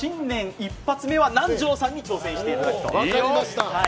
１発目は南條さんに挑戦していただくと。